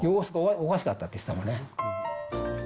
様子がおかしかったって言ってたもんね。